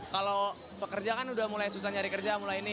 kalau pekerja kan udah mulai susah nyari kerja mulai ini